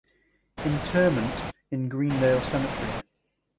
Interment in Greendale Cemetery.